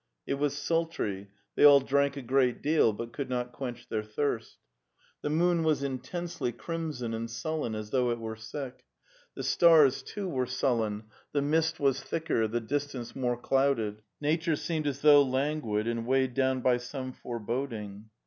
It was sultry; they all drank a great deal, but could not quench their thirst. The moon was in tensely crimson and sullen, as though it were sick. The stars, too, were sullen, the mist was thicker, the distance more clouded. Nature seemed as though languid and weighed down by some foreboding.